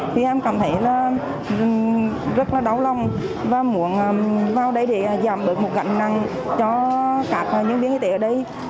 thì em cảm thấy là rất là đau lòng và muốn vào đây để giảm bớt một gánh nặng cho các nhân viên y tế ở đây